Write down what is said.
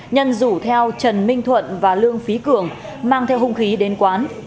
nhân rủ theo trần minh thuận và lương phí cường mang theo hung khí đến quán